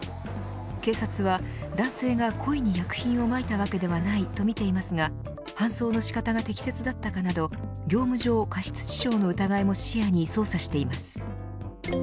警察は男性が故意に薬品をまいたわけではないとみていますが搬送の仕方が適切だったかなど業務上過失致傷の疑いも視野に捜査しています。